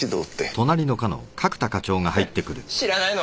ヘッ知らないの？